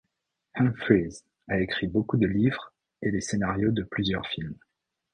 Humphries a écrit beaucoup de livres et les scénarios de plusieurs films.